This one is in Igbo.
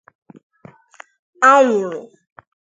anwụrụ